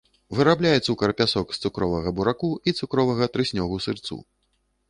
Вырабляе цукар-пясок з цукровага бураку і цукровага трыснёгу-сырцу.